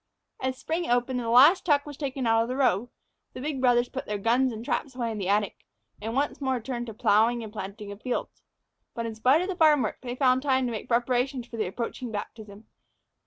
As spring opened, and the last tuck was taken out of the robe, the big brothers put their guns and traps away in the attic, and once more turned to the plowing and planting of the fields. But, in spite of the farm work, they found time to make preparations for the approaching baptism.